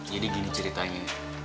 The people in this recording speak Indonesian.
jadi gini ceritanya